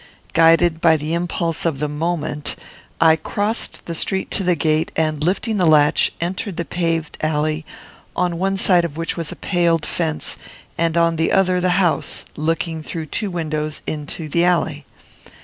Guided by the impulse of the moment, I crossed the street to the gate, and, lifting the latch, entered the paved alley, on one side of which was a paled fence, and on the other the house, looking through two windows into the alley.